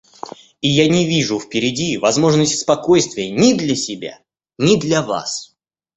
И я не вижу впереди возможности спокойствия ни для себя, ни для вас.